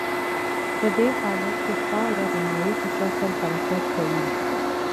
په دې حالت کې خاوره د مایع په شکل حرکت کوي